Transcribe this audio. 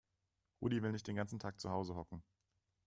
Rudi will nicht den ganzen Tag zu Hause hocken.